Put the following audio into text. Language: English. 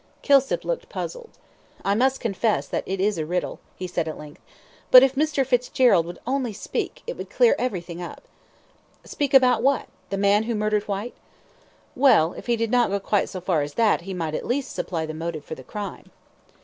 Kilsip looked puzzled. "I must confess that it is a riddle," he said at length; "but if Mr. Fitzgerald would only speak, it would clear everything up." "Speak about what the man who murdered Whyte?" "Well, if he did not go quite so far as that he might at least supply the motive for the crime."